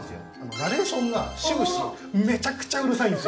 ナレーションが終始めちゃくちゃうるさいんですよ。